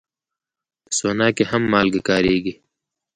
په سونا کې هم مالګه کارېږي.